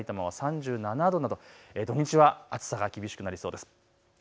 さいたまは３７度などと土日は暑さが厳しくなりそうです。